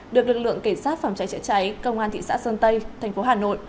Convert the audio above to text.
được lực lượng cảnh sát phòng cháy chữa cháy công an thị xã sơn tây thành phố hà nội